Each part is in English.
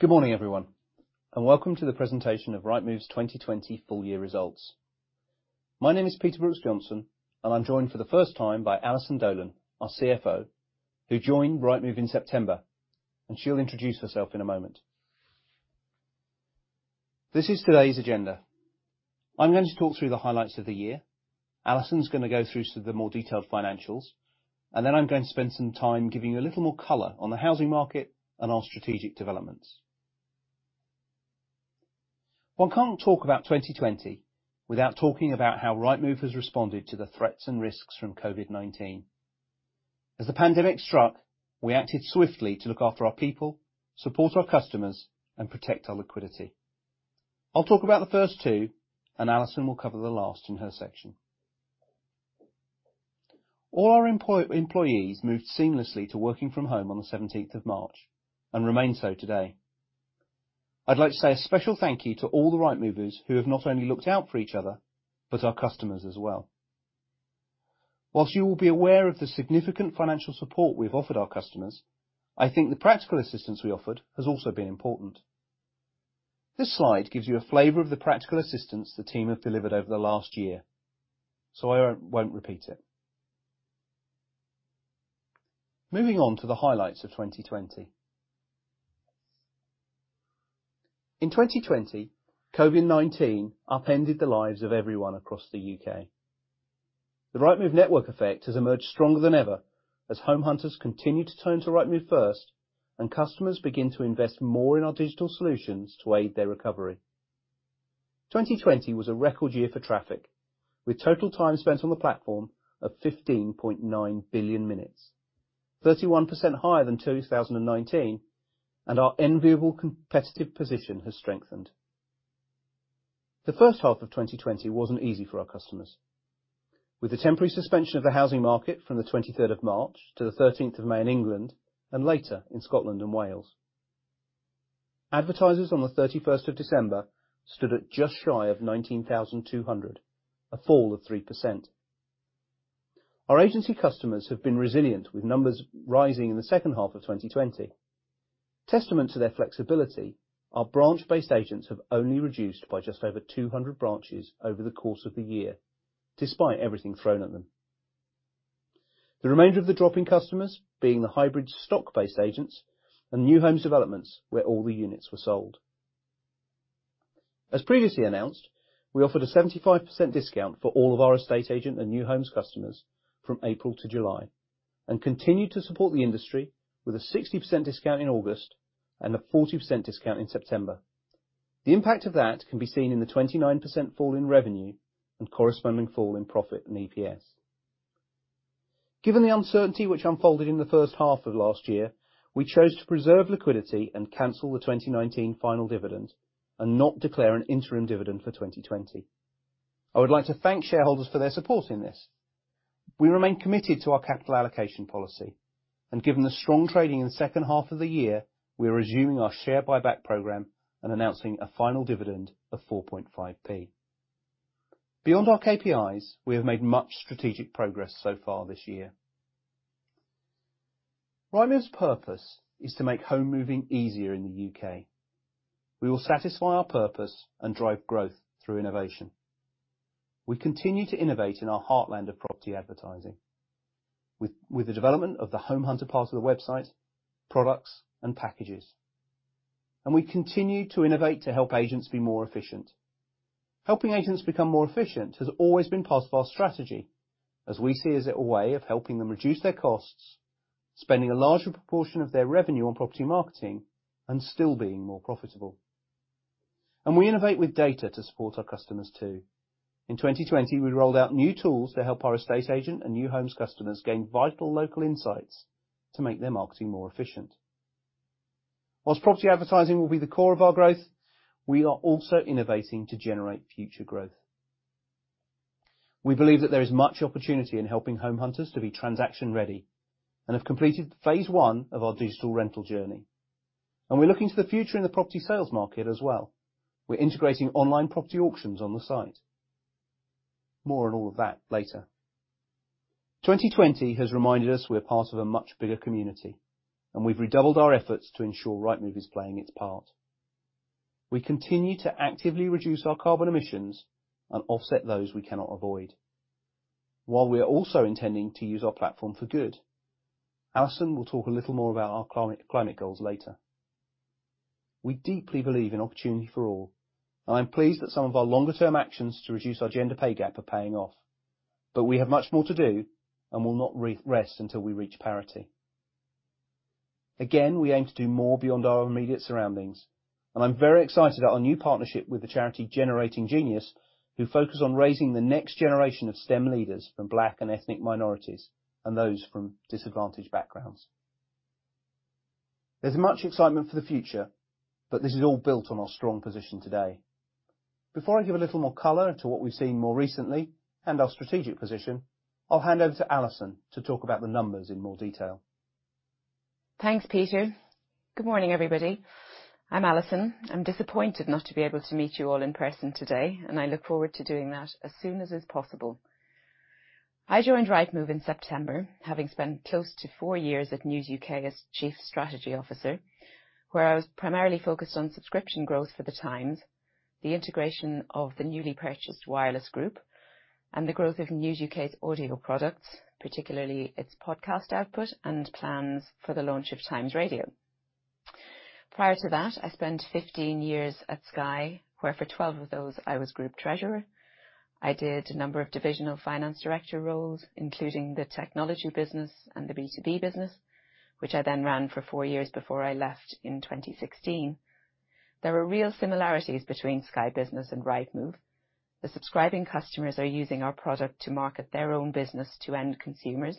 Good morning, everyone. Welcome to the presentation of Rightmove's 2020 full year results. My name is Peter Brooks-Johnson, and I'm joined for the first time by Alison Dolan, our CFO, who joined Rightmove in September, and she'll introduce herself in a moment. This is today's agenda. I'm going to talk through the highlights of the year. Alison's going to go through some of the more detailed financials. I'm going to spend some time giving you a little more color on the housing market and our strategic developments. One can't talk about 2020 without talking about how Rightmove has responded to the threats and risks from COVID-19. As the pandemic struck, we acted swiftly to look after our people, support our customers, and protect our liquidity. I'll talk about the first two, and Alison will cover the last in her section. All our employees moved seamlessly to working from home on the 17th of March and remain so today. I'd like to say a special thank you to all the Rightmovers who have not only looked out for each other, but our customers as well. While you will be aware of the significant financial support we have offered our customers, I think the practical assistance we offered has also been important. This slide gives you a flavor of the practical assistance the team have delivered over the last year. I won't repeat it. Moving on to the highlights of 2020. In 2020, COVID-19 upended the lives of everyone across the U.K. The Rightmove network effect has emerged stronger than ever as home hunters continue to turn to Rightmove first and customers begin to invest more in our digital solutions to aid their recovery. 2020 was a record year for traffic, with total time spent on the platform of 15.9 billion minutes, 31% higher than 2019, and our enviable competitive position has strengthened. The first half of 2020 wasn't easy for our customers, with the temporary suspension of the housing market from the 23rd of March to the 13th of May in England, and later in Scotland and Wales. Advertisers on the 31st of December stood at just shy of 19,200, a fall of 3%. Our agency customers have been resilient, with numbers rising in the second half of 2020. Testament to their flexibility, our branch-based agents have only reduced by just over 200 branches over the course of the year, despite everything thrown at them. The remainder of the drop in customers being the hybrid stock-based agents and new homes developments where all the units were sold. As previously announced, we offered a 75% discount for all of our estate agent and new homes customers from April to July and continued to support the industry with a 60% discount in August and a 40% discount in September. The impact of that can be seen in the 29% fall in revenue and corresponding fall in profit and EPS. Given the uncertainty which unfolded in the first half of last year, we chose to preserve liquidity and cancel the 2019 final dividend and not declare an interim dividend for 2020. I would like to thank shareholders for their support in this. We remain committed to our capital allocation policy, and given the strong trading in the second half of the year, we are resuming our share buyback program and announcing a final dividend of 0.045. Beyond our KPIs, we have made much strategic progress so far this year. Rightmove's purpose is to make home moving easier in the U.K. We will satisfy our purpose and drive growth through innovation. We continue to innovate in our heartland of property advertising with the development of the home hunter part of the website, products, and packages. We continue to innovate to help agents be more efficient. Helping agents become more efficient has always been part of our strategy, as we see it as a way of helping them reduce their costs, spending a larger proportion of their revenue on property marketing and still being more profitable. We innovate with data to support our customers, too. In 2020, we rolled out new tools to help our estate agent and new homes customers gain vital local insights to make their marketing more efficient. Whilst property advertising will be the core of our growth, we are also innovating to generate future growth. We believe that there is much opportunity in helping home hunters to be transaction ready and have completed phase one of our digital rental journey. We're looking to the future in the property sales market as well. We're integrating online property auctions on the site. More on all of that later. 2020 has reminded us we're part of a much bigger community, and we've redoubled our efforts to ensure Rightmove is playing its part. We continue to actively reduce our carbon emissions and offset those we cannot avoid. While we are also intending to use our platform for good, Alison will talk a little more about our climate goals later. We deeply believe in opportunity for all. I'm pleased that some of our longer term actions to reduce our gender pay gap are paying off, but we have much more to do and will not rest until we reach parity. We aim to do more beyond our immediate surroundings, and I'm very excited about our new partnership with the charity Generating Genius, who focus on raising the next generation of STEM leaders from Black and ethnic minorities and those from disadvantaged backgrounds. There's much excitement for the future, but this is all built on our strong position today. Before I give a little more color to what we've seen more recently and our strategic position, I'll hand over to Alison to talk about the numbers in more detail. Thanks, Peter. Good morning, everybody. I'm Alison. I'm disappointed not to be able to meet you all in person today. I look forward to doing that as soon as is possible. I joined Rightmove in September, having spent close to four years at News UK as Chief Strategy Officer, where I was primarily focused on subscription growth for The Times, the integration of the newly purchased Wireless Group, and the growth of News UK's audio products, particularly its podcast output and plans for the launch of Times Radio. Prior to that, I spent 15 years at Sky, where for 12 of those I was Group Treasurer. I did a number of Divisional Finance Director roles, including the technology business and the B2B business, which I then ran for four years before I left in 2016. There are real similarities between Sky Business and Rightmove. The subscribing customers are using our product to market their own business to end consumers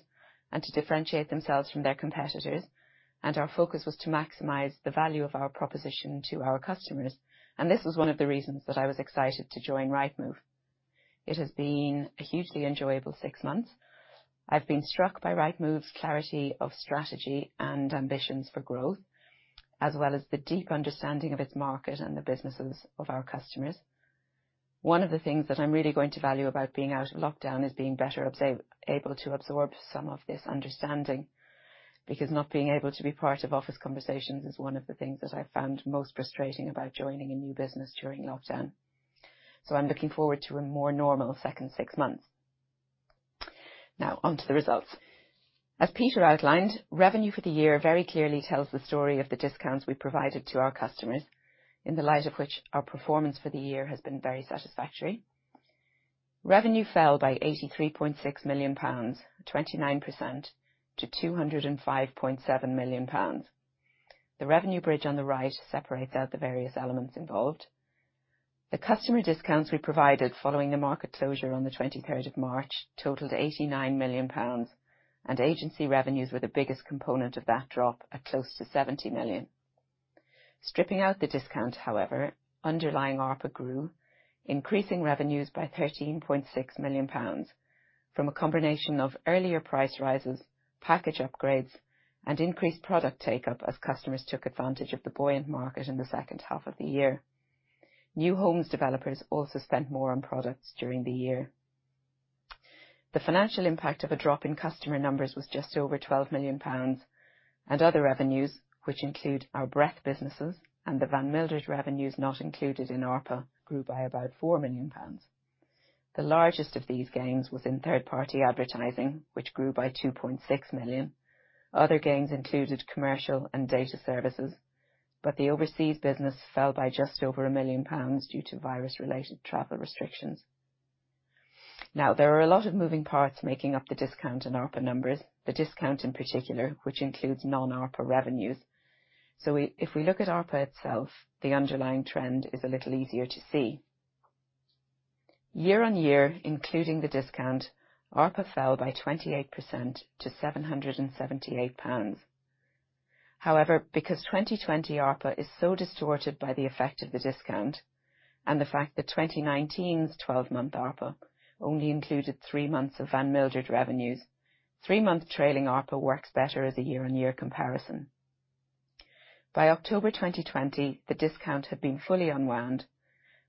and to differentiate themselves from their competitors. Our focus was to maximize the value of our proposition to our customers. This was one of the reasons that I was excited to join Rightmove. It has been a hugely enjoyable six months. I've been struck by Rightmove's clarity of strategy and ambitions for growth, as well as the deep understanding of its market and the businesses of our customers. One of the things that I'm really going to value about being out of lockdown is being better able to absorb some of this understanding, because not being able to be part of office conversations is one of the things that I found most frustrating about joining a new business during lockdown. I'm looking forward to a more normal second six months. On to the results. As Peter outlined, revenue for the year very clearly tells the story of the discounts we provided to our customers, in the light of which our performance for the year has been very satisfactory. Revenue fell by 83.6 million pounds, 29% to 205.7 million pounds. The revenue bridge on the right separates out the various elements involved. The customer discounts we provided following the market closure on the 23rd of March totaled 89 million pounds, and agency revenues were the biggest component of that drop at close to 70 million. Stripping out the discount, however, underlying ARPA grew, increasing revenues by 13.6 million pounds from a combination of earlier price rises, package upgrades, and increased product take-up as customers took advantage of the buoyant market in the second half of the year. New homes developers also spent more on products during the year. The financial impact of a drop in customer numbers was just over 12 million pounds. Other revenues, which include our breadth businesses and the Van Mildert revenues not included in ARPA, grew by about 4 million pounds. The largest of these gains was in third party advertising, which grew by 2.6 million. Other gains included commercial and data services. The overseas business fell by just over 1 million pounds due to virus-related travel restrictions. There are a lot of moving parts making up the discount in ARPA numbers, the discount in particular, which includes non-ARPA revenues. If we look at ARPA itself, the underlying trend is a little easier to see. Year-on-year, including the discount, ARPA fell by 28% to 778 pounds. Because 2020 ARPA is so distorted by the effect of the discount and the fact that 2019's 12-month ARPA only included three months of Van Mildert revenues, three-month trailing ARPA works better as a year-on-year comparison. By October 2020, the discount had been fully unwound,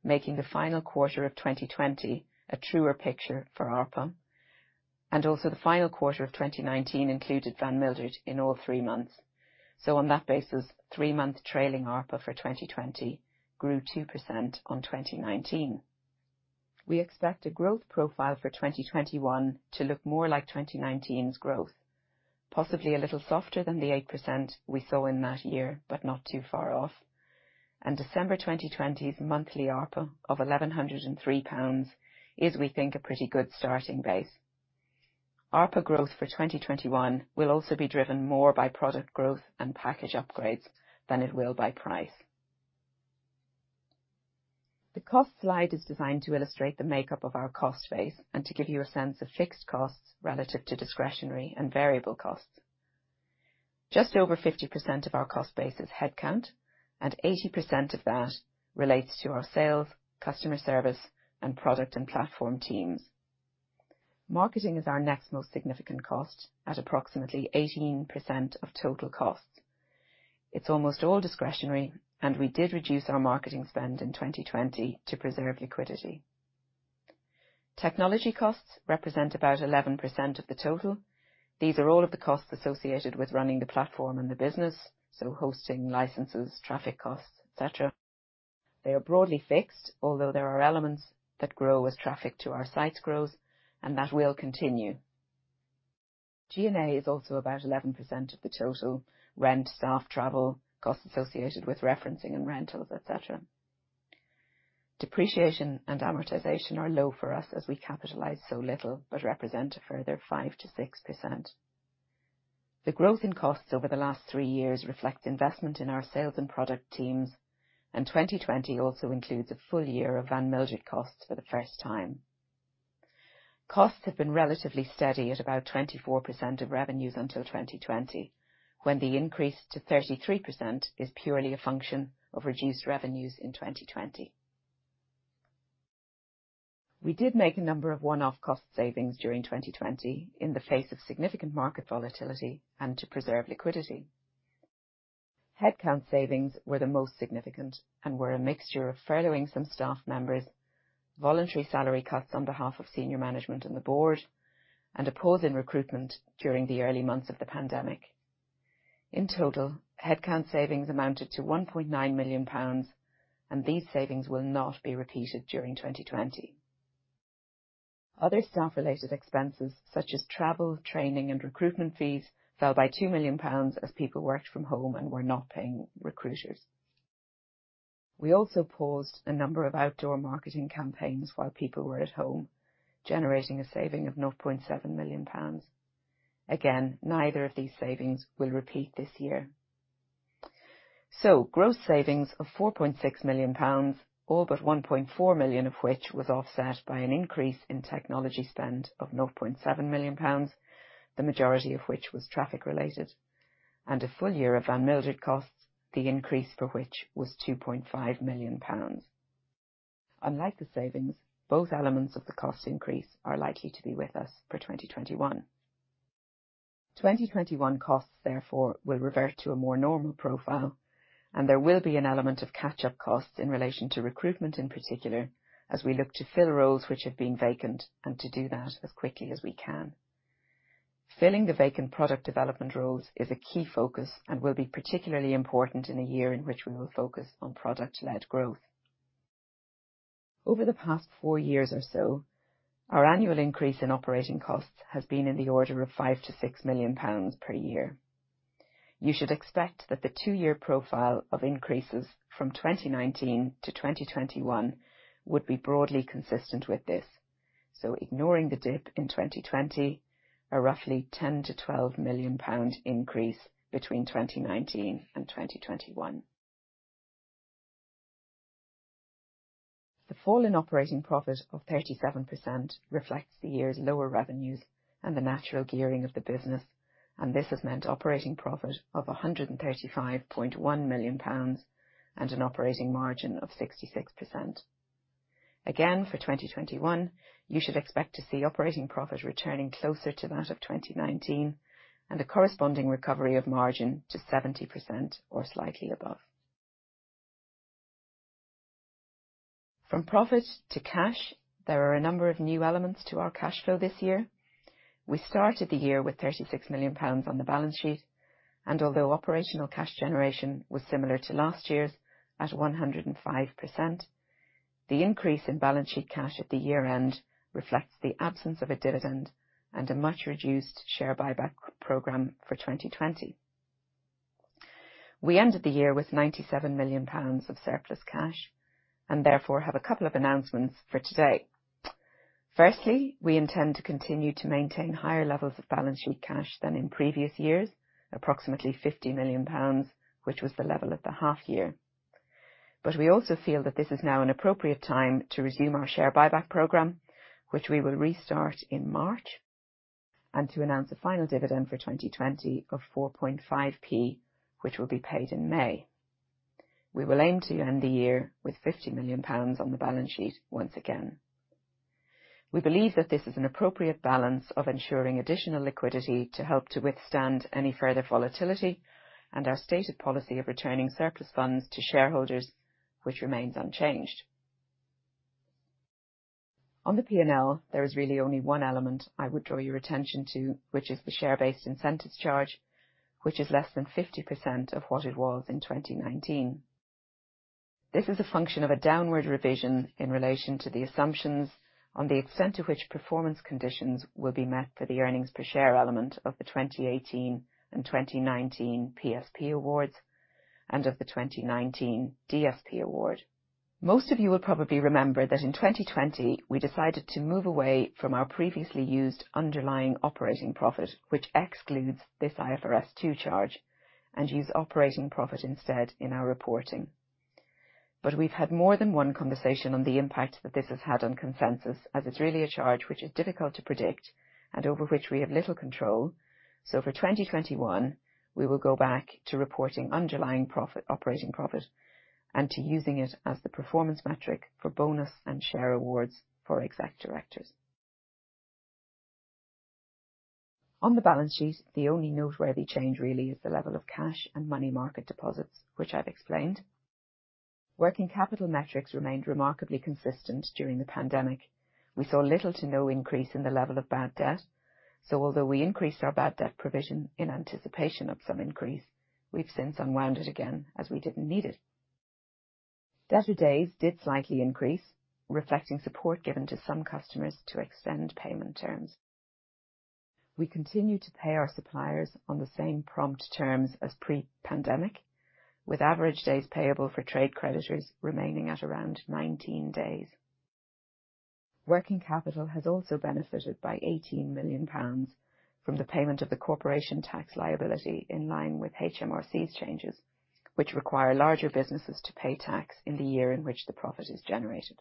making the final quarter of 2020 a truer picture for ARPA. Also, the final quarter of 2019 included Van Mildert in all three months. On that basis, three-month trailing ARPA for 2020 grew 2% on 2019. We expect a growth profile for 2021 to look more like 2019's growth, possibly a little softer than the 8% we saw in that year, not too far off. December 2020's monthly ARPA of 1,103 pounds is, we think, a pretty good starting base. ARPA growth for 2021 will also be driven more by product growth and package upgrades than it will by price. The cost slide is designed to illustrate the makeup of our cost base and to give you a sense of fixed costs relative to discretionary and variable costs. Just over 50% of our cost base is headcount, and 80% of that relates to our sales, customer service, and product and platform teams. Marketing is our next most significant cost at approximately 18% of total costs. It's almost all discretionary, and we did reduce our marketing spend in 2020 to preserve liquidity. Technology costs represent about 11% of the total. These are all of the costs associated with running the platform and the business, so hosting licenses, traffic costs, et cetera. They are broadly fixed, although there are elements that grow as traffic to our sites grows, and that will continue. G&A is also about 11% of the total. Rent, staff travel, costs associated with referencing and rentals, et cetera. Depreciation and amortization are low for us as we capitalize so little, but represent a further 5% to 6%. The growth in costs over the last three years reflects investment in our sales and product teams, and 2020 also includes a full year of Van Mildert costs for the first time. Costs have been relatively steady at about 24% of revenues until 2020, when the increase to 33% is purely a function of reduced revenues in 2020. We did make a number of one-off cost savings during 2020 in the face of significant market volatility and to preserve liquidity. Headcount savings were the most significant and were a mixture of furloughing some staff members, voluntary salary cuts on behalf of senior management and the board, and a pause in recruitment during the early months of the pandemic. In total, headcount savings amounted to 1.9 million pounds, these savings will not be repeated during 2020. Other staff-related expenses such as travel, training, and recruitment fees fell by 2 million pounds as people worked from home and were not paying recruiters. We also paused a number of outdoor marketing campaigns while people were at home, generating a saving of 0.7 million pounds. Again, neither of these savings will repeat this year. Gross savings of 4.6 million pounds, all but 1.4 million of which was offset by an increase in technology spend of 0.7 million pounds, the majority of which was traffic-related, and a full year of Van Mildert costs, the increase for which was 2.5 million pounds. Unlike the savings, both elements of the cost increase are likely to be with us for 2021. 2021 costs, therefore, will revert to a more normal profile, and there will be an element of catch-up costs in relation to recruitment in particular, as we look to fill roles which have been vacant and to do that as quickly as we can. Filling the vacant product development roles is a key focus and will be particularly important in a year in which we will focus on product-led growth. Over the past four years or so, our annual increase in operating costs has been in the order of 5 million-6 million pounds per year. You should expect that the two-year profile of increases from 2019 to 2021 would be broadly consistent with this. Ignoring the dip in 2020, a roughly 10 million-12 million pound increase between 2019 and 2021. The fall in operating profit of 37% reflects the year's lower revenues and the natural gearing of the business, and this has meant operating profit of 135.1 million pounds and an operating margin of 66%. Again, for 2021, you should expect to see operating profit returning closer to that of 2019 and a corresponding recovery of margin to 70% or slightly above. From profit to cash, there are a number of new elements to our cash flow this year. We started the year with 36 million pounds on the balance sheet, and although operational cash generation was similar to last year's at 105%, the increase in balance sheet cash at the year-end reflects the absence of a dividend and a much-reduced share buyback program for 2020. We ended the year with 97 million pounds of surplus cash and therefore have a couple of announcements for today. Firstly, we intend to continue to maintain higher levels of balance sheet cash than in previous years, approximately 50 million pounds, which was the level at the half year. We also feel that this is now an appropriate time to resume our share buyback program, which we will restart in March, and to announce a final dividend for 2020 of 0.045, which will be paid in May. We will aim to end the year with 50 million pounds on the balance sheet once again. We believe that this is an appropriate balance of ensuring additional liquidity to help to withstand any further volatility and our stated policy of returning surplus funds to shareholders, which remains unchanged. On the P&L, there is really only one element I would draw your attention to, which is the share-based incentives charge, which is less than 50% of what it was in 2019. This is a function of a downward revision in relation to the assumptions on the extent to which performance conditions will be met for the earnings per share element of the 2018 and 2019 PSP awards and of the 2019 DSP award. Most of you will probably remember that in 2020, we decided to move away from our previously used underlying operating profit, which excludes this IFRS 2 charge, and use operating profit instead in our reporting. We've had more than one conversation on the impact that this has had on consensus, as it's really a charge which is difficult to predict and over which we have little control. For 2021, we will go back to reporting underlying operating profit, and to using it as the performance metric for bonus and share awards for exec directors. On the balance sheet, the only noteworthy change really is the level of cash and money market deposits, which I've explained. Working capital metrics remained remarkably consistent during the pandemic. We saw little to no increase in the level of bad debt, so although we increased our bad debt provision in anticipation of some increase, we've since unwound it again as we didn't need it. Debtor days did slightly increase, reflecting support given to some customers to extend payment terms. We continue to pay our suppliers on the same prompt terms as pre-pandemic, with average days payable for trade creditors remaining at around 19 days. Working capital has also benefited by 18 million pounds from the payment of the corporation tax liability in line with HMRC's changes, which require larger businesses to pay tax in the year in which the profit is generated.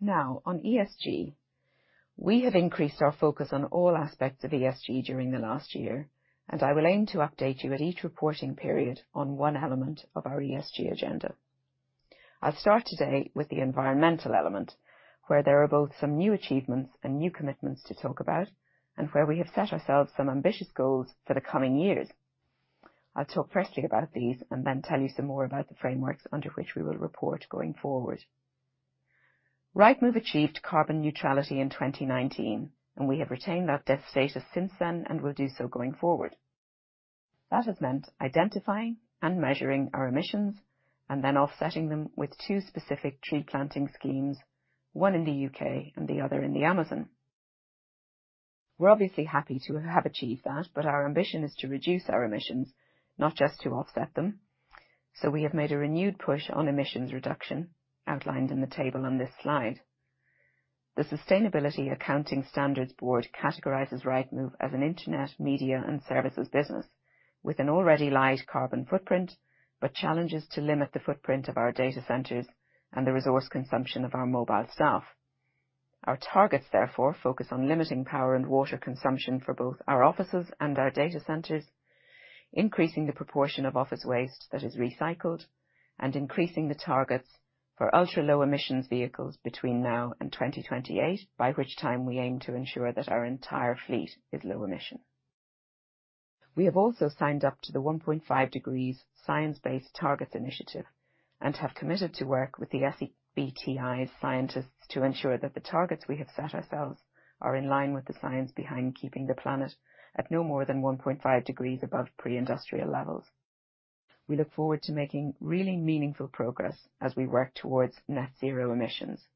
Now on ESG, we have increased our focus on all aspects of ESG during the last year. I will aim to update you at each reporting period on one element of our ESG agenda. I'll start today with the environmental element, where there are both some new achievements and new commitments to talk about, and where we have set ourselves some ambitious goals for the coming years. I'll talk firstly about these and then tell you some more about the frameworks under which we will report going forward. Rightmove achieved carbon neutrality in 2019, and we have retained that status since then and will do so going forward. That has meant identifying and measuring our emissions and then offsetting them with two specific tree planting schemes, one in the U.K. and the other in the Amazon. We're obviously happy to have achieved that, but our ambition is to reduce our emissions, not just to offset them. We have made a renewed push on emissions reduction outlined in the table on this slide. The Sustainability Accounting Standards Board categorizes Rightmove as an internet, media, and services business with an already light carbon footprint, but challenges to limit the footprint of our data centers and the resource consumption of our mobile staff. Our targets, therefore, focus on limiting power and water consumption for both our offices and our data centers, increasing the proportion of office waste that is recycled, and increasing the targets for ultra-low emissions vehicles between now and 2028, by which time we aim to ensure that our entire fleet is low emission. We have also signed up to the 1.5 degrees Science Based Targets initiative and have committed to work with the SBTi scientists to ensure that the targets we have set ourselves are in line with the science behind keeping the planet at no more than 1.5 degrees above pre-industrial levels. We look forward to making really meaningful progress as we work towards net zero emissions.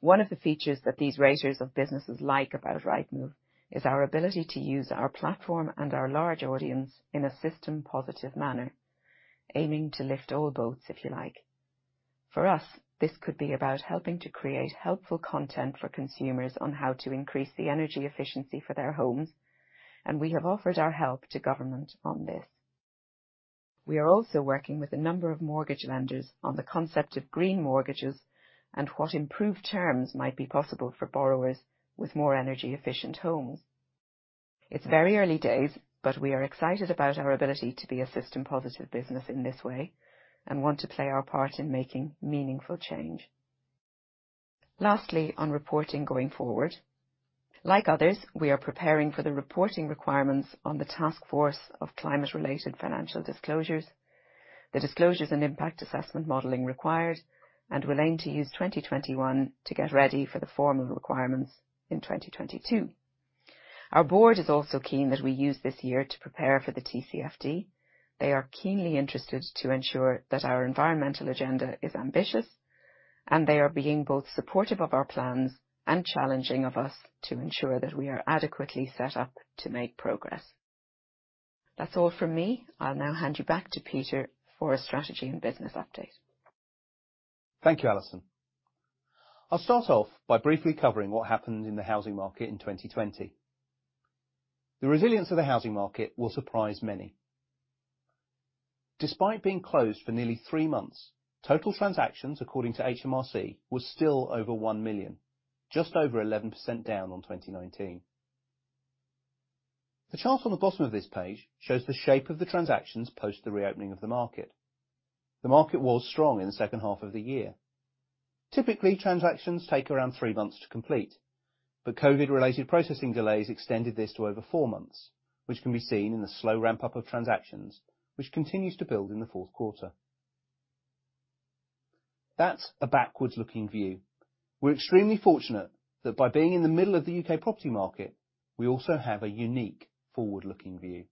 One of the features that these raters of businesses like about Rightmove is our ability to use our platform and our large audience in a system positive manner, aiming to lift all boats, if you like. For us, this could be about helping to create helpful content for consumers on how to increase the energy efficiency for their homes, and we have offered our help to government on this. We are also working with a number of mortgage lenders on the concept of green mortgages and what improved terms might be possible for borrowers with more energy efficient homes. It's very early days, but we are excited about our ability to be a system positive business in this way and want to play our part in making meaningful change. Lastly, on reporting going forward, like others, we are preparing for the reporting requirements on the Task Force on Climate-related Financial Disclosures, the disclosures and impact assessment modeling required, we'll aim to use 2021 to get ready for the formal requirements in 2022. Our board is also keen that we use this year to prepare for the TCFD. They are keenly interested to ensure that our environmental agenda is ambitious. They are being both supportive of our plans and challenging of us to ensure that we are adequately set up to make progress. That's all from me. I'll now hand you back to Peter for a strategy and business update. Thank you, Alison. I'll start off by briefly covering what happened in the housing market in 2020. The resilience of the housing market will surprise many. Despite being closed for nearly three months, total transactions according to HMRC was still over 1 million, just over 11% down on 2019. The chart on the bottom of this page shows the shape of the transactions post the reopening of the market. The market was strong in the second half of the year. Typically, transactions take around three months to complete, but COVID related processing delays extended this to over four months, which can be seen in the slow ramp-up of transactions, which continues to build in the fourth quarter. That's a backwards looking view. We're extremely fortunate that by being in the middle of the U.K. property market, we also have a unique forward-looking view.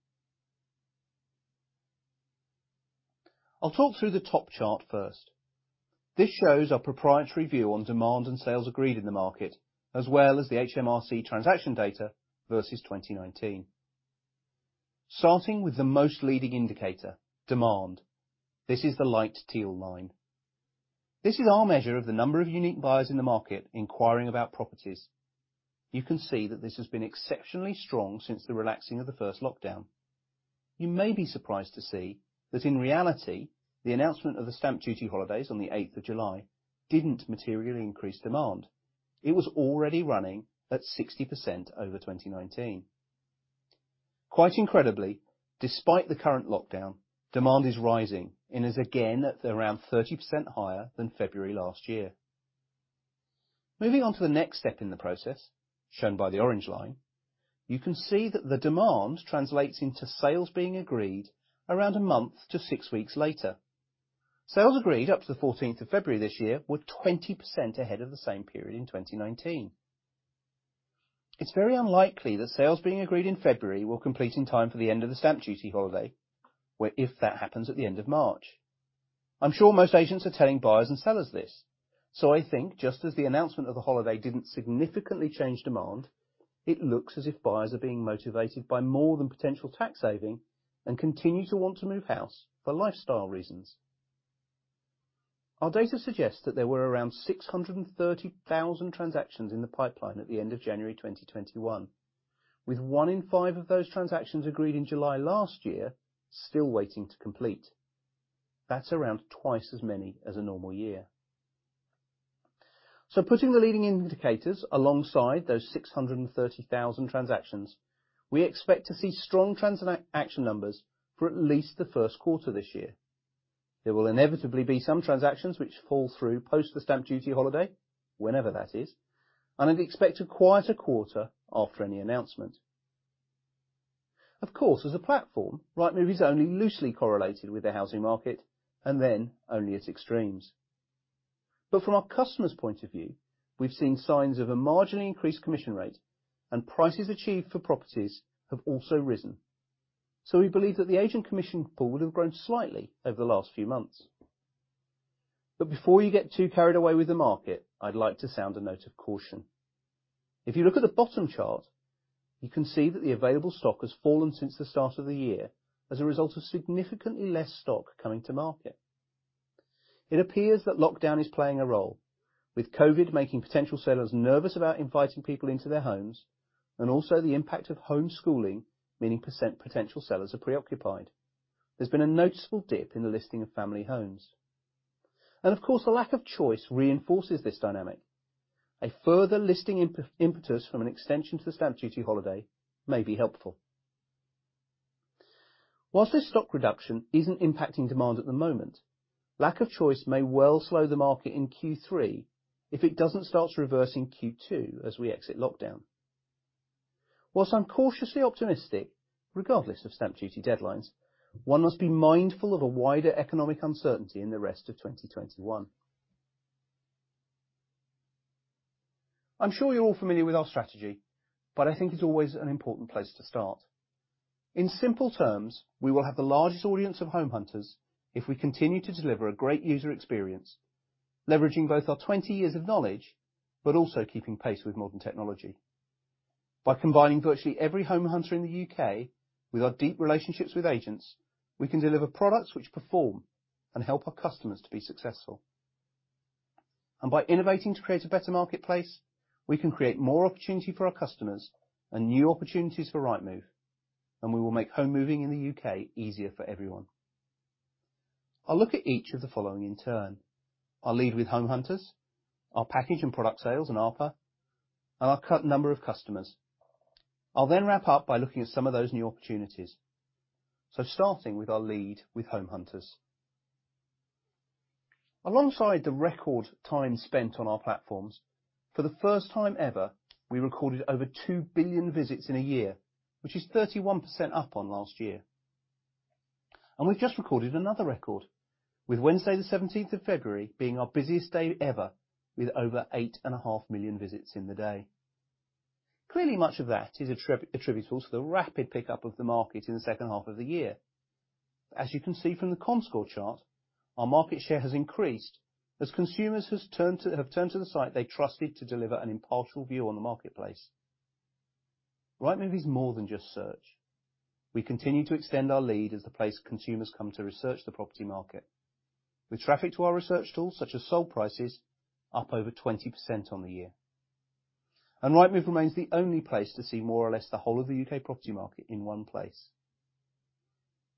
I'll talk through the top chart first. This shows our proprietary view on demand and sales agreed in the market, as well as the HMRC transaction data versus 2019. Starting with the most leading indicator, demand. This is the light teal line. This is our measure of the number of unique buyers in the market inquiring about properties. You can see that this has been exceptionally strong since the relaxing of the first lockdown. You may be surprised to see that in reality, the announcement of the stamp duty holidays on the 8th of July didn't materially increase demand. It was already running at 60% over 2019. Quite incredibly, despite the current lockdown, demand is rising and is again at around 30% higher than February last year. Moving on to the next step in the process, shown by the orange line, you can see that the demand translates into sales being agreed around a month to six weeks later. Sales agreed up to the 14th of February this year were 20% ahead of the same period in 2019. It's very unlikely that sales being agreed in February will complete in time for the end of the stamp duty holiday, where if that happens at the end of March. I'm sure most agents are telling buyers and sellers this, I think just as the announcement of the holiday didn't significantly change demand, it looks as if buyers are being motivated by more than potential tax saving and continue to want to move house for lifestyle reasons. Our data suggests that there were around 630,000 transactions in the pipeline at the end of January 2021, with one in five of those transactions agreed in July last year, still waiting to complete. That's around twice as many as a normal year. Putting the leading indicators alongside those 630,000 transactions, we expect to see strong transaction numbers for at least the first quarter this year. There will inevitably be some transactions which fall through post the stamp duty holiday, whenever that is, and I'd expect a quieter quarter after any announcement. Of course, as a platform, Rightmove is only loosely correlated with the housing market, and then only at extremes. From our customers' point of view, we've seen signs of a marginally increased commission rate, and prices achieved for properties have also risen. We believe that the agent commission pool would have grown slightly over the last few months. Before you get too carried away with the market, I'd like to sound a note of caution. If you look at the bottom chart, you can see that the available stock has fallen since the start of the year as a result of significantly less stock coming to market. It appears that lockdown is playing a role, with COVID making potential sellers nervous about inviting people into their homes, and also the impact of homeschooling, meaning potential sellers are preoccupied. There's been a noticeable dip in the listing of family homes. Of course, the lack of choice reinforces this dynamic. A further listing impetus from an extension to the stamp duty holiday may be helpful. While this stock reduction isn't impacting demand at the moment, lack of choice may well slow the market in Q3 if it doesn't start to reverse in Q2 as we exit lockdown. While I'm cautiously optimistic, regardless of stamp duty deadlines, one must be mindful of a wider economic uncertainty in the rest of 2021. I'm sure you're all familiar with our strategy. I think it's always an important place to start. In simple terms, we will have the largest audience of home hunters if we continue to deliver a great user experience, leveraging both our 20 years of knowledge, but also keeping pace with modern technology. By combining virtually every home hunter in the U.K. with our deep relationships with agents, we can deliver products which perform and help our customers to be successful. By innovating to create a better marketplace, we can create more opportunity for our customers and new opportunities for Rightmove, and we will make home moving in the U.K. easier for everyone. I'll look at each of the following in turn. I'll lead with home hunters, our package and product sales and ARPA, and our number of customers. I'll wrap up by looking at some of those new opportunities. Starting with our lead with home hunters. Alongside the record time spent on our platforms, for the first time ever, we recorded over 2 billion visits in a year, which is 31% up on last year. We've just recorded another record, with Wednesday the 17th of February being our busiest day ever with over 8.5 million visits in the day. Clearly, much of that is attributable to the rapid pickup of the market in the second half of the year. As you can see from the comScore chart, our market share has increased as consumers have turned to the site they trusted to deliver an impartial view on the marketplace. Rightmove is more than just search. We continue to extend our lead as the place consumers come to research the property market, with traffic to our research tools such as sold prices up over 20% on the year. Rightmove remains the only place to see more or less the whole of the U.K. property market in one place.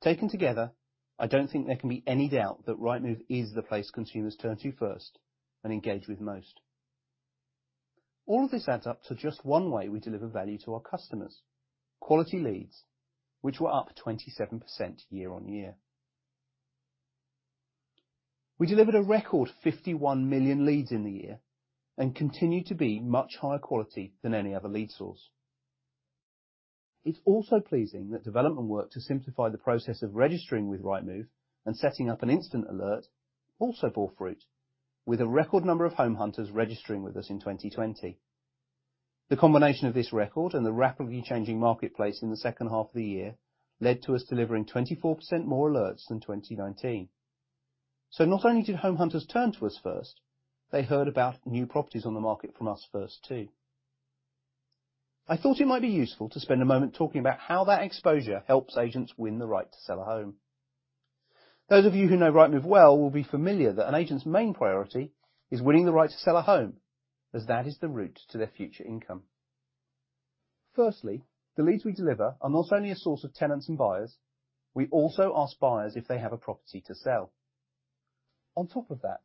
Taken together, I don't think there can be any doubt that Rightmove is the place consumers turn to first and engage with most. All of this adds up to just one way we deliver value to our customers, quality leads, which were up 27% year on year. We delivered a record 51 million leads in the year and continue to be much higher quality than any other lead source. It's also pleasing that development work to simplify the process of registering with Rightmove and setting up an instant alert also bore fruit with a record number of home hunters registering with us in 2020. The combination of this record and the rapidly changing marketplace in the second half of the year led to us delivering 24% more alerts than 2019. Not only did home hunters turn to us first, they heard about new properties on the market from us first too. I thought it might be useful to spend a moment talking about how that exposure helps agents win the right to sell a home. Those of you who know Rightmove well will be familiar that an agent's main priority is winning the right to sell a home, as that is the route to their future income. Firstly, the leads we deliver are not only a source of tenants and buyers, we also ask buyers if they have a property to sell. On top of that,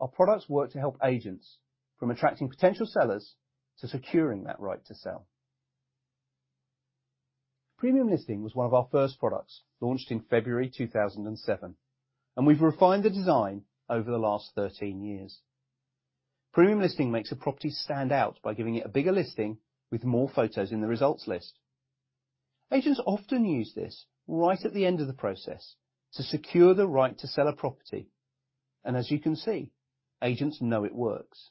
our products work to help agents from attracting potential sellers to securing that right to sell. Premium Listing was one of our first products launched in February 2007, and we've refined the design over the last 13 years. Premium Listing makes a property stand out by giving it a bigger listing with more photos in the results list. Agents often use this right at the end of the process to secure the right to sell a property, and as you can see, agents know it works.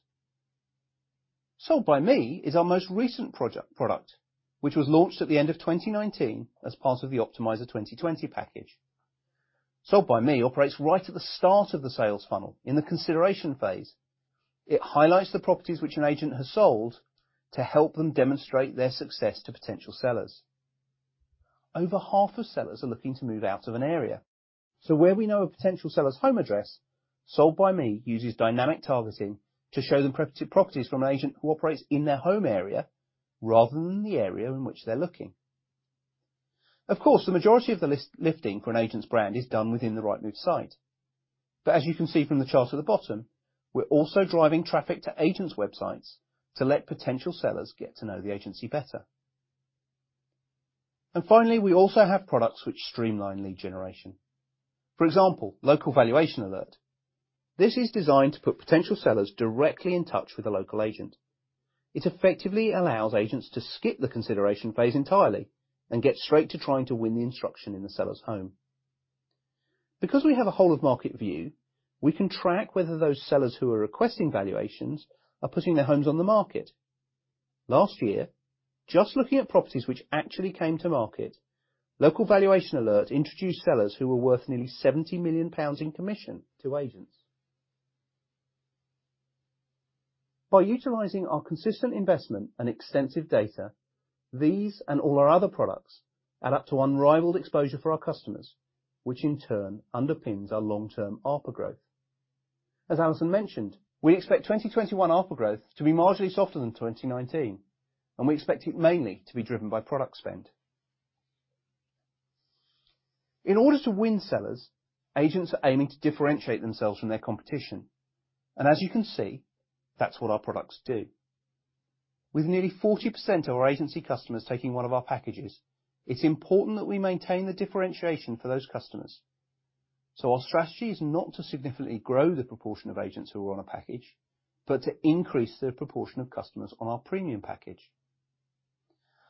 Sold by Me is our most recent product, which was launched at the end of 2019 as part of the Optimiser 2020 package. Sold by Me operates right at the start of the sales funnel in the consideration phase. It highlights the properties which an agent has sold to help them demonstrate their success to potential sellers. Over half of sellers are looking to move out of an area. Where we know a potential seller's home address, Sold by Me uses dynamic targeting to show them properties from an agent who operates in their home area rather than the area in which they're looking. Of course, the majority of the lifting for an agent's brand is done within the Rightmove site. As you can see from the chart at the bottom, we're also driving traffic to agents' websites to let potential sellers get to know the agency better. Finally, we also have products which streamline lead generation. For example, Local Valuation Alert. This is designed to put potential sellers directly in touch with the local agent. It effectively allows agents to skip the consideration phase entirely and get straight to trying to win the instruction in the seller's home. Because we have a whole of market view, we can track whether those sellers who are requesting valuations are putting their homes on the market. Last year, just looking at properties which actually came to market, Local Valuation Alert introduced sellers who were worth nearly 70 million pounds in commission to agents. By utilizing our consistent investment and extensive data, these and all our other products add up to unrivaled exposure for our customers, which in turn underpins our long-term ARPA growth. As Alison mentioned, we expect 2021 ARPA growth to be marginally softer than 2019, and we expect it mainly to be driven by product spend. In order to win sellers, agents are aiming to differentiate themselves from their competition. As you can see, that's what our products do. With nearly 40% of our agency customers taking one of our packages, it's important that we maintain the differentiation for those customers. Our strategy is not to significantly grow the proportion of agents who are on a package, but to increase the proportion of customers on our premium package.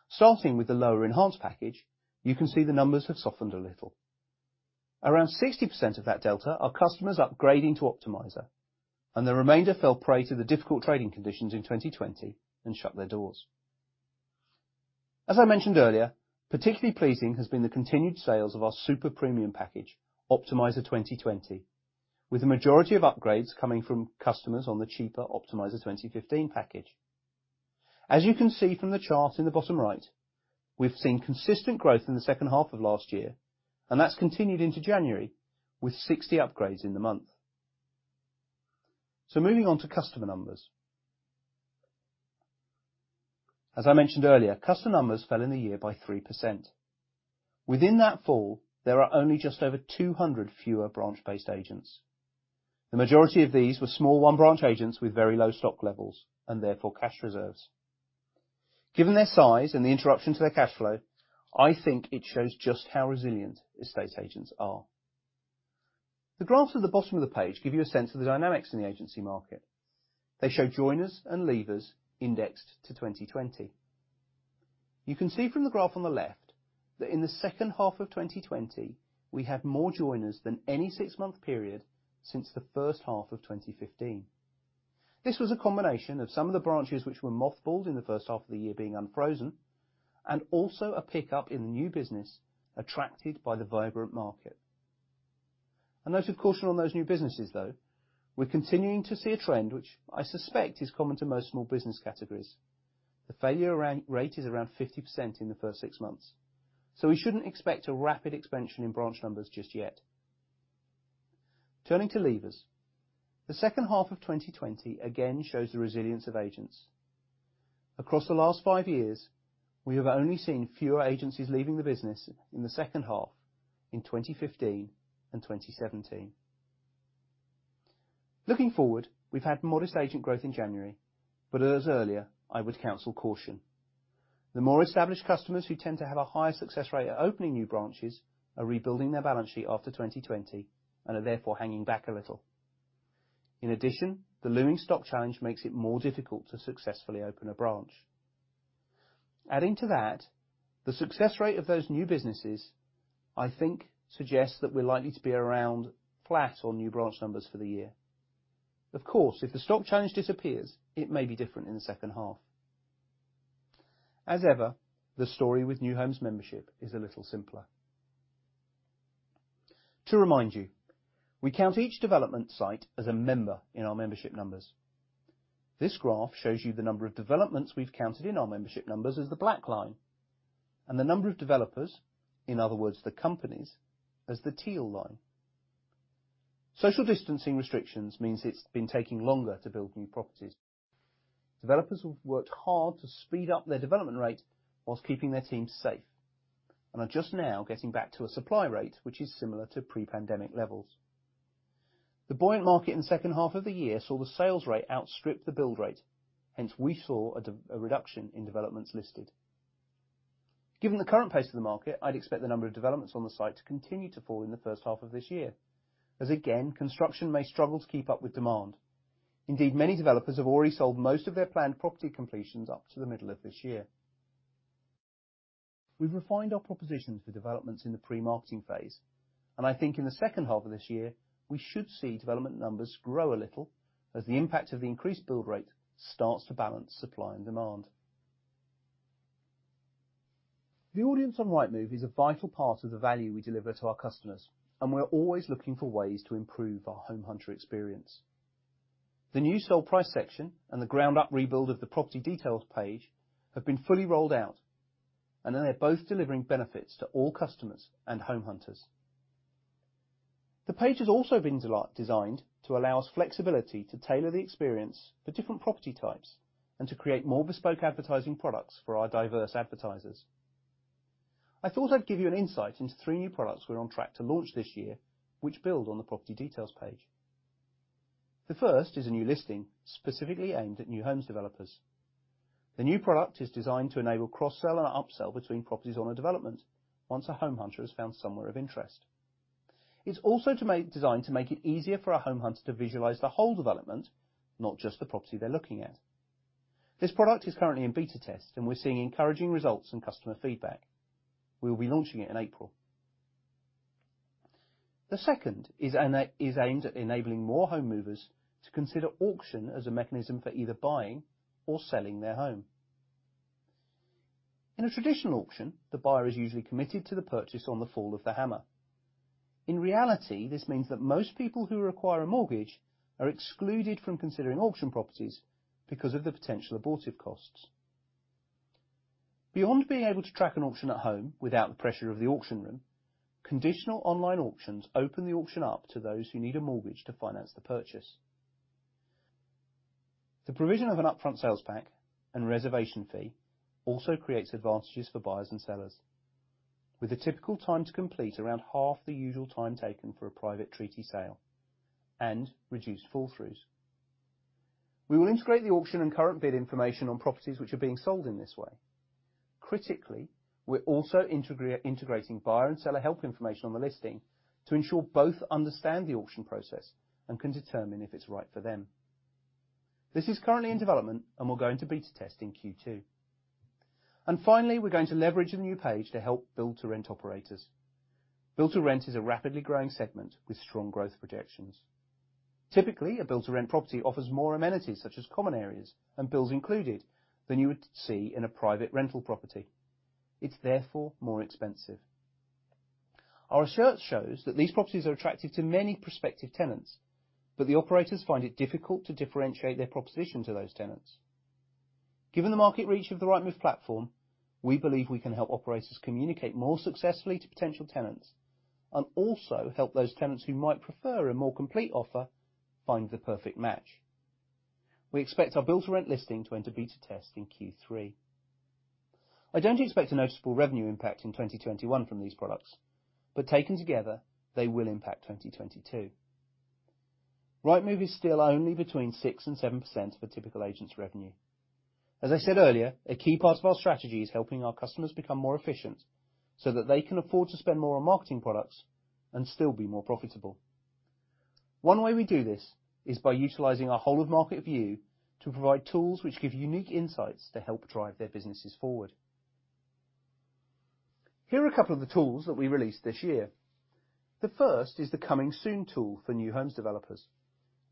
Starting with the lower enhanced package, you can see the numbers have softened a little. Around 60% of that delta are customers upgrading to Optimiser. The remainder fell prey to the difficult trading conditions in 2020 and shut their doors. As I mentioned earlier, particularly pleasing has been the continued sales of our super premium package, Optimiser 2020, with the majority of upgrades coming from customers on the cheaper Optimiser 2015 package. As you can see from the chart in the bottom right, we've seen consistent growth in the second half of last year. That's continued into January with 60 upgrades in the month. Moving on to customer numbers. As I mentioned earlier, customer numbers fell in the year by 3%. Within that fall, there are only just over 200 fewer branch-based agents. The majority of these were small one-branch agents with very low stock levels, and therefore cash reserves. Given their size and the interruption to their cash flow, I think it shows just how resilient estate agents are. The graphs at the bottom of the page give you a sense of the dynamics in the agency market. They show joiners and leavers indexed to 2020. You can see from the graph on the left that in the second half of 2020, we had more joiners than any six-month period since the first half of 2015. This was a combination of some of the branches which were mothballed in the first half of the year being unfrozen, and also a pickup in the new business attracted by the vibrant market. A note of caution on those new businesses, though. We're continuing to see a trend which I suspect is common to most small business categories. The failure rate is around 50% in the first six months, so we shouldn't expect a rapid expansion in branch numbers just yet. Turning to leavers. The second half of 2020 again shows the resilience of agents. Across the last five years, we have only seen fewer agencies leaving the business in the second half in 2015 and 2017. Looking forward, we've had modest agent growth in January, but as earlier, I would counsel caution. The more established customers who tend to have a higher success rate at opening new branches are rebuilding their balance sheet after 2020 and are therefore hanging back a little. In addition, the looming stock challenge makes it more difficult to successfully open a branch. Adding to that, the success rate of those new businesses, I think, suggests that we're likely to be around flat on new branch numbers for the year. Of course, if the stock challenge disappears, it may be different in the second half. As ever, the story with New Homes membership is a little simpler. To remind you, we count each development site as a member in our membership numbers. This graph shows you the number of developments we've counted in our membership numbers as the black line, and the number of developers, in other words, the companies, as the teal line. Social distancing restrictions means it's been taking longer to build new properties. Developers have worked hard to speed up their development rate while keeping their teams safe and are just now getting back to a supply rate, which is similar to pre-pandemic levels. The buoyant market in the second half of the year saw the sales rate outstrip the build rate, hence we saw a reduction in developments listed. Given the current pace of the market, I'd expect the number of developments on the site to continue to fall in the first half of this year as again, construction may struggle to keep up with demand. Indeed, many developers have already sold most of their planned property completions up to the middle of this year. We've refined our propositions for developments in the pre-marketing phase, and I think in the second half of this year, we should see development numbers grow a little as the impact of the increased build rate starts to balance supply and demand. The audience on Rightmove is a vital part of the value we deliver to our customers, and we're always looking for ways to improve our home hunter experience. The new sold price section and the ground-up rebuild of the property details page have been fully rolled out, and they are both delivering benefits to all customers and home hunters. The page has also been designed to allow us flexibility to tailor the experience for different property types and to create more bespoke advertising products for our diverse advertisers. I thought I'd give you an insight into three new products we're on track to launch this year, which build on the property details page. The first is a new listing specifically aimed at new homes developers. The new product is designed to enable cross-sell and upsell between properties on a development once a home hunter has found somewhere of interest. It's also designed to make it easier for a home hunter to visualize the whole development, not just the property they're looking at. This product is currently in beta test, and we're seeing encouraging results and customer feedback. We'll be launching it in April. The second is aimed at enabling more home movers to consider auction as a mechanism for either buying or selling their home. In a traditional auction, the buyer is usually committed to the purchase on the fall of the hammer. In reality, this means that most people who require a mortgage are excluded from considering auction properties because of the potential abortive costs. Beyond being able to track an auction at home without the pressure of the auction room, conditional online auctions open the auction up to those who need a mortgage to finance the purchase. The provision of an upfront sales pack and reservation fee also creates advantages for buyers and sellers. With a typical time to complete around half the usual time taken for a private treaty sale and reduced fall throughs. We will integrate the auction and current bid information on properties which are being sold in this way. Critically, we're also integrating buyer and seller help information on the listing to ensure both understand the auction process and can determine if it's right for them. This is currently in development and will go into beta test in Q2. Finally, we're going to leverage a new page to help Build-to-Rent operators. Build-to-Rent is a rapidly growing segment with strong growth projections. Typically, a Build-to-Rent property offers more amenities such as common areas and bills included than you would see in a private rental property. It's therefore more expensive. Our research shows that these properties are attractive to many prospective tenants, but the operators find it difficult to differentiate their proposition to those tenants. Given the market reach of the Rightmove platform, we believe we can help operators communicate more successfully to potential tenants and also help those tenants who might prefer a more complete offer find the perfect match. We expect our Build-to-Rent listing to enter beta test in Q3. I don't expect a noticeable revenue impact in 2021 from these products, but taken together, they will impact 2022. Rightmove is still only between six and 7% of a typical agent's revenue. As I said earlier, a key part of our strategy is helping our customers become more efficient so that they can afford to spend more on marketing products and still be more profitable. One way we do this is by utilizing our whole of market view to provide tools which give unique insights to help drive their businesses forward. Here are a couple of the tools that we released this year. The first is the Coming Soon tool for new homes developers.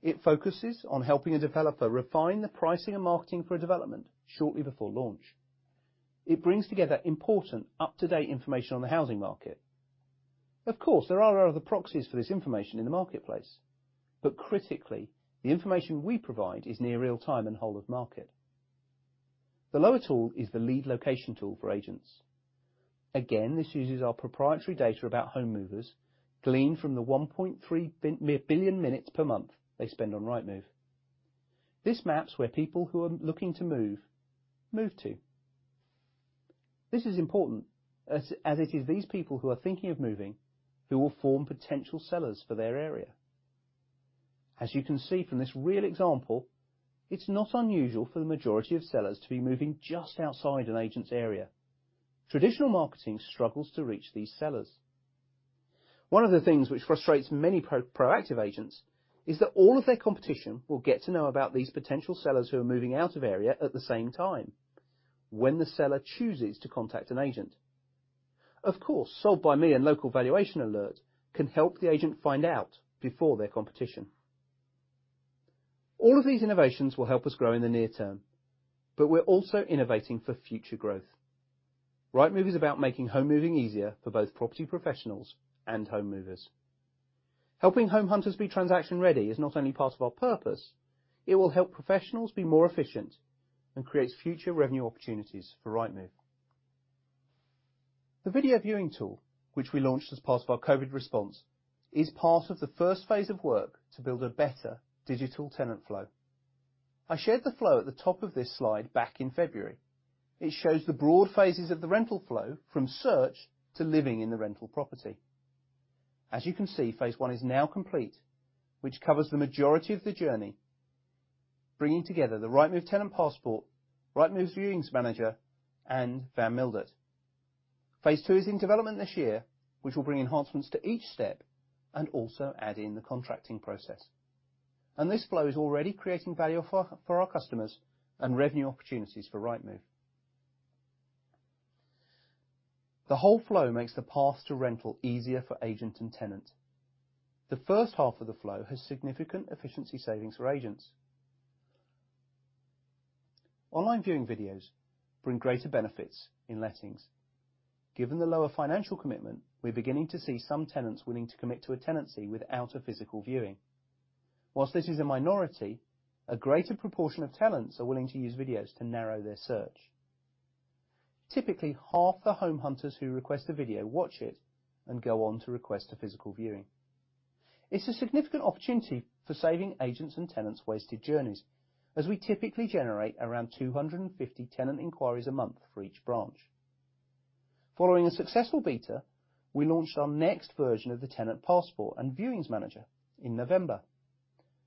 It focuses on helping a developer refine the pricing and marketing for a development shortly before launch. It brings together important up-to-date information on the housing market. Of course, there are other proxies for this information in the marketplace, but critically, the information we provide is near real-time and whole of market. The lower tool is the Lead Location tool for agents. Again, this uses our proprietary data about home movers gleaned from the 1.3 billion minutes per month they spend on Rightmove. This maps where people who are looking to move to. This is important as it is these people who are thinking of moving who will form potential sellers for their area. As you can see from this real example, it's not unusual for the majority of sellers to be moving just outside an agent's area. Traditional marketing struggles to reach these sellers. One of the things which frustrates many proactive agents is that all of their competition will get to know about these potential sellers who are moving out of area at the same time, when the seller chooses to contact an agent. Of course, Sold by Me and Local Valuation Alert can help the agent find out before their competition. All of these innovations will help us grow in the near term, but we're also innovating for future growth. Rightmove is about making home moving easier for both property professionals and home movers. Helping home hunters be transaction ready is not only part of our purpose, it will help professionals be more efficient and creates future revenue opportunities for Rightmove. The video viewing tool, which we launched as part of our COVID response, is part of the first phase of work to build a better digital tenant flow. I shared the flow at the top of this slide back in February. It shows the broad phases of the rental flow from search to living in the rental property. As you can see, phase I is now complete, which covers the majority of the journey, bringing together the Rightmove Tenant Passport, Rightmove's Viewings Manager, and Van Mildert. Phase II is in development this year, which will bring enhancements to each step and also add in the contracting process. This flow is already creating value for our customers and revenue opportunities for Rightmove. The whole flow makes the path to rental easier for agent and tenant. The first half of the flow has significant efficiency savings for agents. Online viewing videos bring greater benefits in lettings. Given the lower financial commitment, we're beginning to see some tenants willing to commit to a tenancy without a physical viewing. While this is a minority, a greater proportion of tenants are willing to use videos to narrow their search. Typically, half the home hunters who request a video watch it and go on to request a physical viewing. It's a significant opportunity for saving agents and tenants wasted journeys, as we typically generate around 250 tenant inquiries a month for each branch. Following a successful beta, we launched our next version of the Tenant Passport and Viewings Manager in November.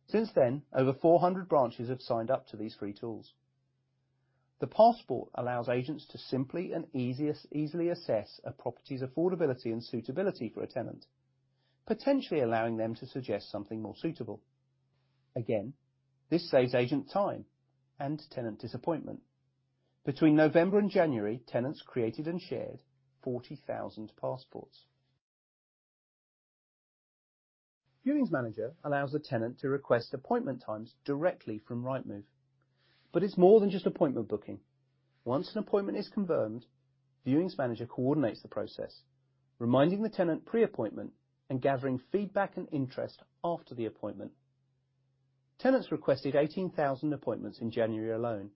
Since then, over 400 branches have signed up to these free tools. The passport allows agents to simply and easily assess a property's affordability and suitability for a tenant, potentially allowing them to suggest something more suitable. Again, this saves agent time and tenant disappointment. Between November and January, tenants created and shared 40,000 passports. Viewings Manager allows a tenant to request appointment times directly from Rightmove. It's more than just appointment booking. Once an appointment is confirmed, Viewings Manager coordinates the process, reminding the tenant pre-appointment and gathering feedback and interest after the appointment. Tenants requested 18,000 appointments in January alone.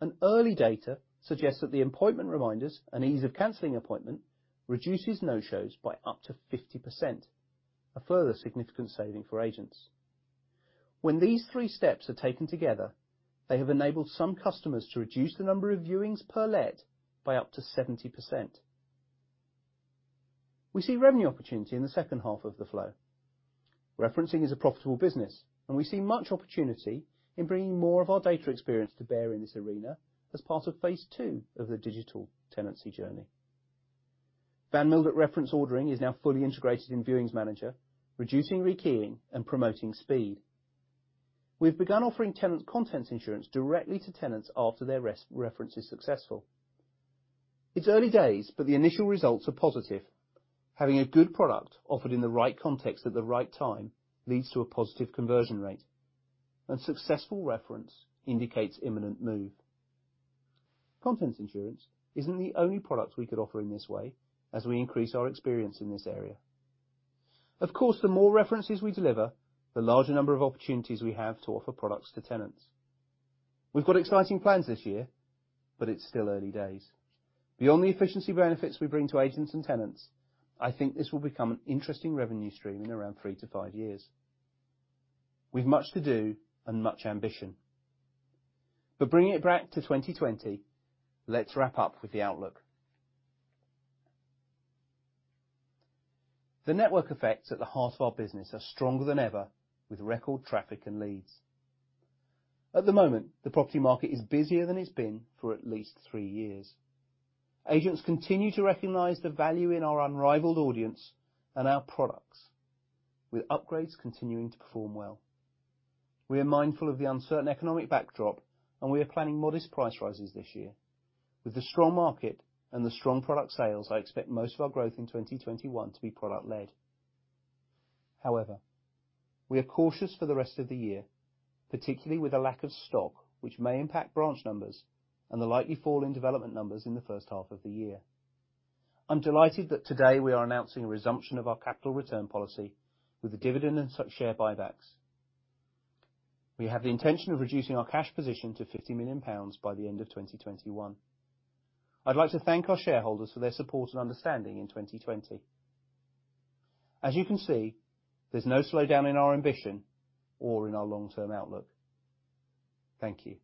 An early data suggests that the appointment reminders and ease of canceling appointment reduces no-shows by up to 50%, a further significant saving for agents. When these three steps are taken together, they have enabled some customers to reduce the number of viewings per let by up to 70%. We see revenue opportunity in the second half of the flow. Referencing is a profitable business, and we see much opportunity in bringing more of our data experience to bear in this arena as part of phase two of the digital tenancy journey. Van Mildert reference ordering is now fully integrated in Viewings Manager, reducing rekeying and promoting speed. We've begun offering tenant contents insurance directly to tenants after their reference is successful. It's early days, but the initial results are positive. Having a good product offered in the right context at the right time leads to a positive conversion rate, and successful reference indicates imminent move. Contents insurance isn't the only product we could offer in this way as we increase our experience in this area. Of course, the more references we deliver, the larger number of opportunities we have to offer products to tenants. We've got exciting plans this year, it's still early days. Beyond the efficiency benefits we bring to agents and tenants, I think this will become an interesting revenue stream in around three to five years. We've much to do and much ambition. Bringing it back to 2020, let's wrap up with the outlook. The network effects at the heart of our business are stronger than ever, with record traffic and leads. At the moment, the property market is busier than it's been for at least three years. Agents continue to recognize the value in our unrivaled audience and our products, with upgrades continuing to perform well. We are mindful of the uncertain economic backdrop, and we are planning modest price rises this year. With the strong market and the strong product sales, I expect most of our growth in 2021 to be product-led. We are cautious for the rest of the year, particularly with the lack of stock, which may impact branch numbers, and the likely fall in development numbers in the first half of the year. I'm delighted that today we are announcing a resumption of our capital return policy with a dividend and share buybacks. We have the intention of reducing our cash position to 50 million pounds by the end of 2021. I'd like to thank our shareholders for their support and understanding in 2020. As you can see, there's no slowdown in our ambition or in our long-term outlook. Thank you.